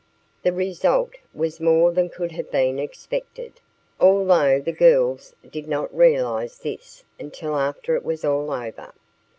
The result was more than could have been expected, although the girls did not realize this until after it was all over.